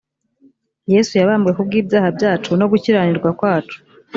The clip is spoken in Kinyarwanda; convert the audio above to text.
yesu yabambwe ku bw’ibyaha byacu no gukiranirwa kwacu